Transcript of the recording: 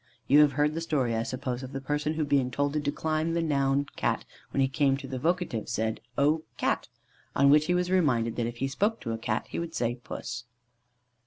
You have heard the story, I suppose, of the person who being told to decline the noun Cat, when he came to the vocative, said "O Cat!" on which he was reminded that if he spoke to a Cat he would say "Puss."